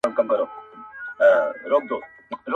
زه به څرنگه مخ اړوم يارانو_